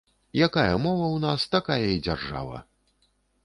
Якая мова ў нас, такая і дзяржава.